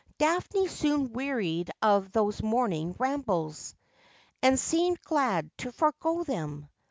Daphne soon wearied of these morning rambles, and seemed glad to forego them.